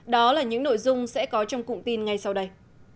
đó là những nội dung sẽ có trong cụm tin ngay sau đây